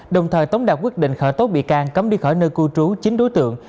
đồng thời tống đạt quyết định khởi tố bị can cấm đi khỏi nơi cư trú chín đối tượng